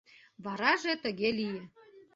— Вараже тыге лие.